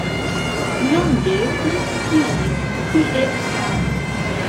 Longe funkciis tie pramo.